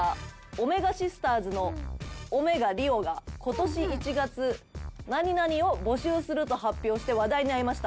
おめがシスターズのおめがリオが今年１月「何々を募集する」と発表して話題になりました。